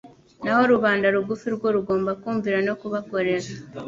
naho rubanda rugufi rwo rugomba kumvira no kubakorera.